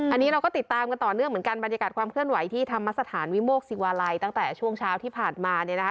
อันนี้เราก็ติดตามกันต่อเนื่องเหมือนกันบรรยากาศความเคลื่อนไหวที่ธรรมสถานวิโมกศิวาลัยตั้งแต่ช่วงเช้าที่ผ่านมาเนี่ยนะคะ